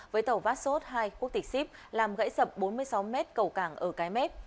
với tàu vassos ii quốc tịch sip làm gãy sập bốn mươi sáu m cầu cảng ở cái mép